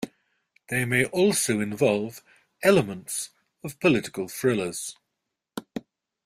They may also involve elements of political thrillers.